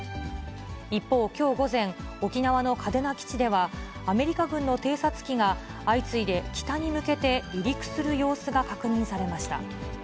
一方、きょう午前、沖縄の嘉手納基地では、アメリカ軍の偵察機が相次いで北に向けて離陸する様子が確認されました。